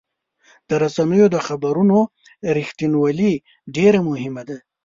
د رسنیو د خبرونو رښتینولي ډېر مهمه ده.